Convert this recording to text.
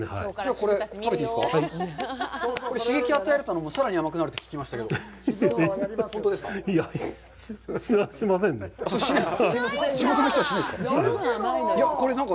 これ、刺激を与えるとさらに甘くなると聞きましたけど、本当ですか？